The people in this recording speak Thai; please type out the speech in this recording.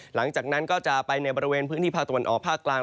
หลังจากนั้นก็จะไปในบริเวณพื้นที่ภาคตะวันออกภาคกลาง